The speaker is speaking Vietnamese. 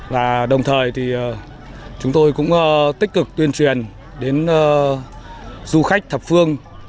và đồng thời thì chúng tôi cũng tích cực tuyên truyền đến du khách thập phương